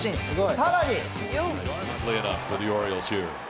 さらに。